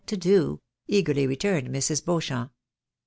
57 to do," eagerly returned Mrs. Beauchamp.